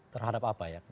terhadap apa ya